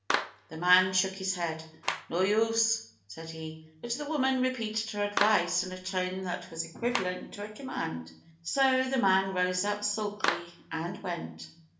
The man shook his head. "No use!" said he. But the woman repeated her advice in a tone that was equivalent to a command, so the man rose up sulkily and went.